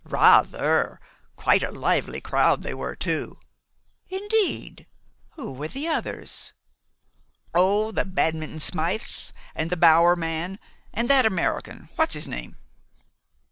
"Rather! Quite a lively crowd they were too." "Indeed. Who were the others?" "Oh, the Badminton Smythes, and the Bower man, and that American what's his name?"